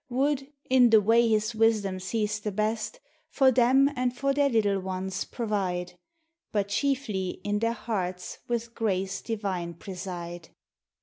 Would, in the way his wisdom sees the best, For them and for their little ones provide; But, chiefly, in their hearts with grace divine pre side.